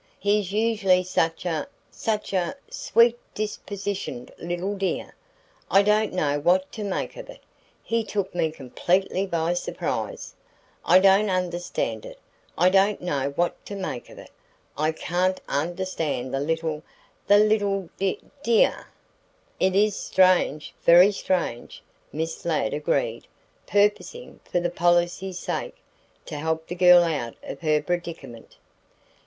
He's usually such a such a sweet dispositioned little dear. I don't know what to make of it. He took me completely by surprise. I don't understand it I don't know what to make of it I can't understand the little the little d dear." "It is strange, very strange," Miss Ladd agreed, purposing, for policy's sake, to help the girl out of her predicament.